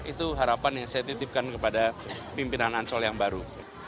itu harapan yang saya titipkan kepada pimpinan ancol yang baru